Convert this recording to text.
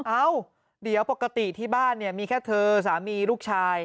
เอ้าเดี๋ยวปกติที่บ้านเนี่ยมีแค่เธอสามีลูกชาย